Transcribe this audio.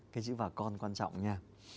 cái chữ và con quan trọng nha